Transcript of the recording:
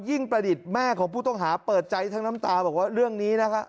ประดิษฐ์แม่ของผู้ต้องหาเปิดใจทั้งน้ำตาบอกว่าเรื่องนี้นะคะ